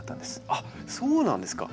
あっそうなんですか。